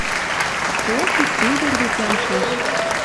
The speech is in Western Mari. Ох, и цевер вет, ямшаш